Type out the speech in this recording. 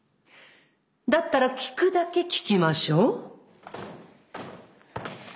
だったら聞くだけ聞きましょう。